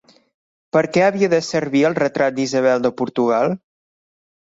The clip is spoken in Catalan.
Per què havia de servir el retrat d'Isabel de Portugal?